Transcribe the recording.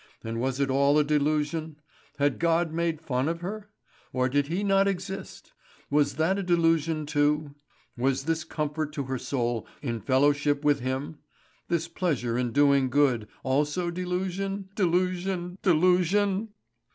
And was it all a delusion? Had God made fun of her? Or did He not exist? Was that a delusion too? Was this comfort to her soul in being in fellowship with Him, this pleasure in doing good, also delusion, delusion, delusion?